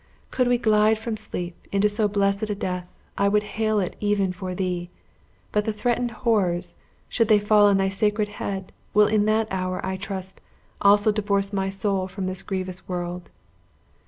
could we glide from sleep into so blessed a death, I would hail it even for thee! But the threatened horrors, should they fall on thy sacred head, will in that hour, I trust, also divorce my soul from this grievous world!"